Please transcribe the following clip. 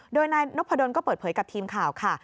โดยนายนพดลก็เปิดเผยกับทีมข่าวค่ะ